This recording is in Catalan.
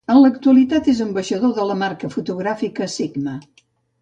En l'actualitat és ambaixador de la marca fotogràfica Sigma.